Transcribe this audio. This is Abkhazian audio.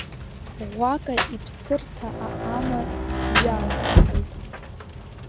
Ӷәака иԥсырҭа аҟама ҩалаҟацоит.